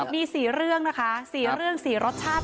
มี๔เรื่องนะคะ๔เรื่อง๔รสชาติ